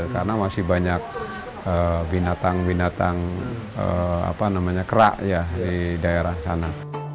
karena masih banyak binatang binatang kera ya di daerah sana